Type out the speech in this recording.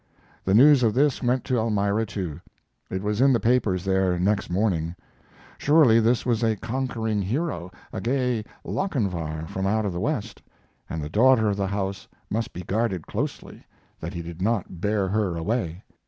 The news of this went to Elmira, too. It was in the papers there next morning; surely this was a conquering hero a gay Lochinvar from out of the West and the daughter of the house must be guarded closely, that he did not bear her away.